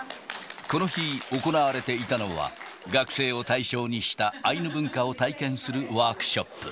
この日、行われていたのは、学生を対象にしたアイヌ文化を体験するワークショップ。